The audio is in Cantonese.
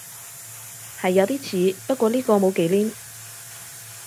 係有啲似，不過呢個冇忌廉